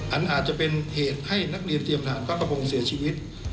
อาจจะเป็นเหตุให้นักเรียนเตรียมทหารพระประพงศ์เสียชีวิต